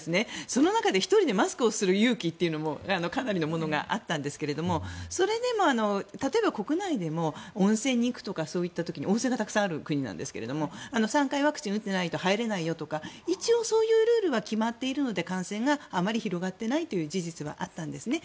その中で１人でマスクをする勇気というのもかなりのものがあったんですがそれでも、例えば国内でも温泉に行くとかそういった時に温泉がたくさんある国なんですけど３回ワクチンを打っていないと入れないよとか一応、そういうルールは決まっているので感染があまり広がっていない事実はあったんですね。